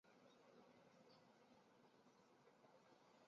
在俄罗斯该设计室最为人熟悉就是其网站设计计划。